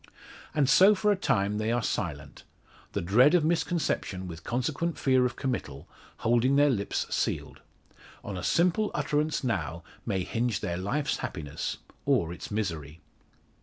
And so for a time they are silent, the dread of misconception, with consequent fear of committal, holding their lips sealed. On a simple utterance now may hinge their life's happiness, or its misery.